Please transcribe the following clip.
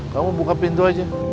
kamu buka pintu aja